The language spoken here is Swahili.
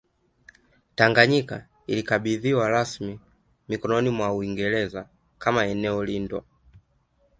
Tanganyika ilikabidhiwa rasmi mikononi mwa Uingereza kama eneo lindwa